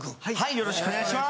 よろしくお願いします！